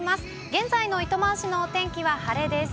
現在の糸満市の天気は晴れです。